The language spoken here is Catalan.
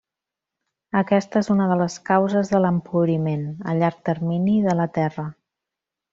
Aquesta és una de les causes de l'empobriment, a llarg termini, de la terra.